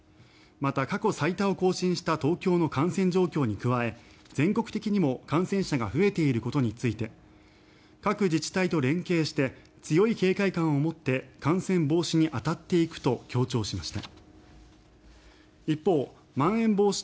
また、過去最多を更新した東京の感染状況に加え全国的にも感染者が増えていることについて各自治体と連携して強い警戒感を持って感染防止に当たっていくと強調しました。